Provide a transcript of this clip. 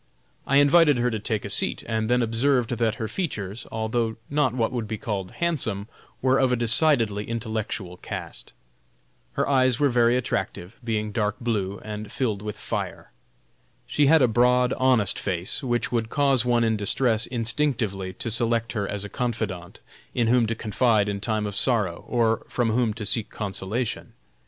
I invited her to take a seat, and then observed that her features, although not what would be called handsome, were of a decidedly intellectual cast. Her eyes were very attractive, being dark blue, and filled with fire. She had a broad, honest face, which would cause one in distress instinctively to select her as a confidante, in whom to confide in time of sorrow, or from whom to seek consolation.